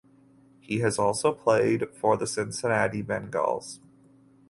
He has also played for the Cincinnati Bengals.